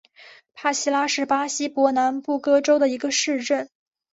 帕西拉是巴西伯南布哥州的一个市镇。